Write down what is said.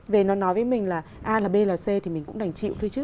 về nó nói với mình là a là b là c thì mình cũng đành chịu thôi chứ